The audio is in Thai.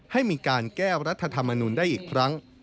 ให้มีการแก้รัฐธรรมนุนได้อีกครั้ง